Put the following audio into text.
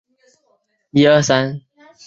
氟硼酸亚锡可以用于锡的电镀。